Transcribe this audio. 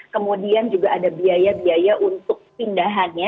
kemudian juga ada biaya biaya untuk pindahannya